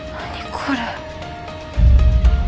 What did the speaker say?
これ。